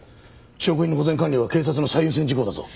証拠品の保全管理は警察の最優先事項だぞ。